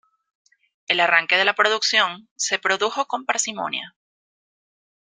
El arranque de la producción se produjo con parsimonia.